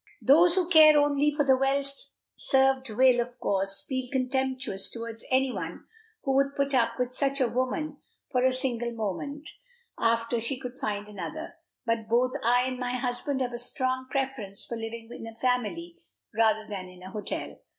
Those who care only for being well served will of course feel contemptuous towards any one who would put up with such a woman for a single moment after she could find another; but both I and my husband have a strong preference for living in a family, rather than in a hotel.